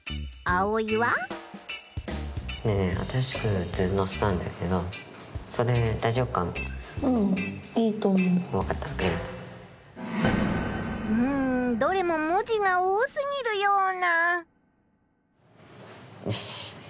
うんうんどれも文字が多すぎるような。